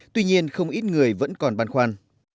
tuy nhiên không ít người vẫn còn băn khoăn